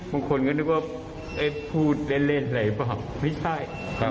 บางคนก็นึกว่าพูดเล่นอะไรหรือเปล่าไม่ใช่